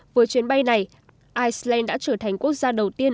với chuyến bay này iceland đã trở thành quốc gia đầu tiên